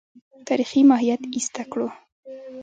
تاریخي ماهیت ایسته کړو.